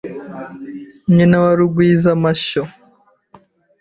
Nyina wa Rugwizamashyo